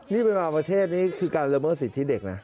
นี่เป็นบางประเทศนี่คือการละเมิดสิทธิเด็กนะ